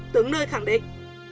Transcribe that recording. tướng nơi khẳng định